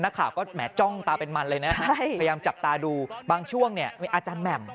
นักข่าวก็แหมจ้องตาเป็นมันเลยนะฮะพยายามจับตาดูบางช่วงเนี่ยมีอาจารย์แหม่ม